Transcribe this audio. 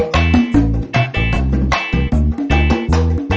nggak usah udah ada yang nemenin kok